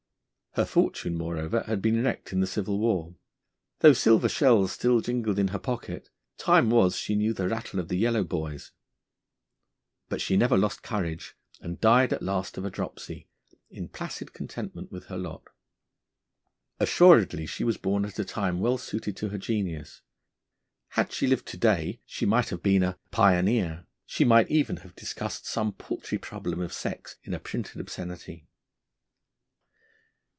Her fortune, moreover, had been wrecked in the Civil War. Though silver shells still jingled in her pocket, time was she knew the rattle of the yellow boys. But she never lost courage, and died at last of a dropsy, in placid contentment with her lot. Assuredly she was born at a time well suited to her genius. Had she lived to day, she might have been a 'Pioneer'; she might even have discussed some paltry problem of sex in a printed obscenity.